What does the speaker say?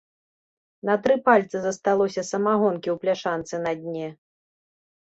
На тры пальцы засталося самагонкі ў пляшцы на дне.